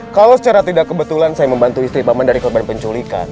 kalau secara tidak kebetulan saya membantu istri paman dari korban penculikan